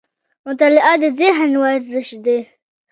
مطالعه د ذهن ورزش دی